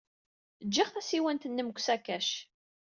Jjiɣ tasiwant-nnem deg usakac.